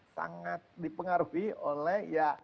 sangat dipengaruhi oleh